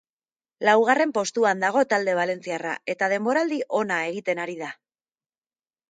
Laugarren postuan dago talde valentziarra eta denboraldi ona egiten ari da.